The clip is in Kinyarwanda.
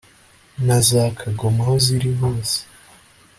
na za kagoma aho zirihose